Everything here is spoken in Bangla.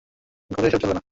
ঘরে এসব চলবে না।